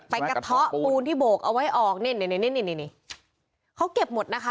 กระเทาะปูนที่โบกเอาไว้ออกนี่นี่เขาเก็บหมดนะคะ